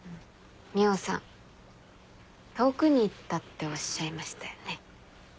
海音さん遠くに行ったっておっしゃいましたよね？